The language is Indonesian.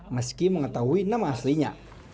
meski mengetahui nama aslinya